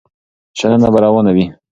شننه به روانه وي.